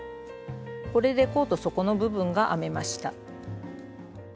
これで甲と底の部分が編めました。